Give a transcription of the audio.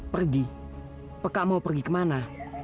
pergi peka mau pergi kemana